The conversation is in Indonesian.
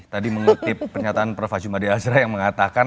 tadi mengutip penyataan prof haji madi azra yang mengatakan